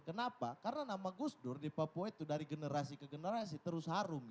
kenapa karena nama gus dur di papua itu dari generasi ke generasi terus harum